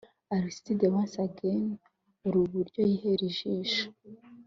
Aristide Once Again [uri iburyo] yihera ijisho